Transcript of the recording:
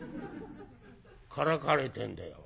「からかわれてんだよ。